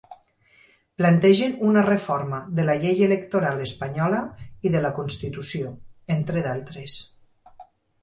Plantegen una reforma de la llei electoral espanyola i de la Constitució, entre d'altres.